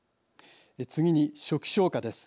次に初期消火です。